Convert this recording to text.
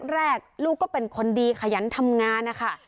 แรกลูกก็เป็นคนดีขยันทำงานนะคะ